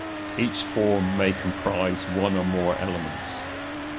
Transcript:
Each form may comprise one or more elements.